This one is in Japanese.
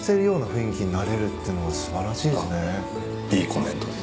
いいコメントで。